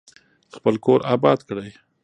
خپل کور اباد کړئ.